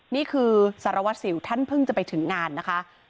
นี่คือสารวัสสิวท่านเพิ่งจะไปถึงงานนะคะ